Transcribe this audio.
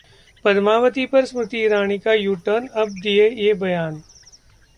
पद्मावती पर स्मृति ईरानी का यू-टर्न, अब दिया ये बयान